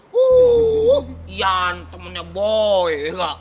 wuhh yan temennya boy